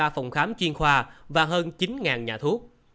sáu hai trăm hai mươi ba phòng khám chuyên khoa và hơn chín nhà thuốc